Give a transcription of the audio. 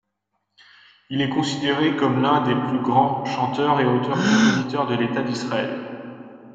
Il est considéré comme l'un des plus grands chanteurs et auteurs-compositeurs de l'État d’Israël.